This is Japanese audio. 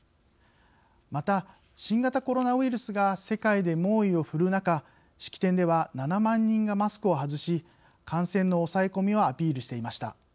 また、新型コロナウイルスが世界で猛威を振るう中式典では７万人がマスクをはずし感染の抑え込みをアピールしていました。